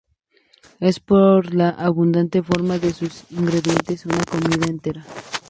Es por la abundante forma de sus ingredientes una comida entera.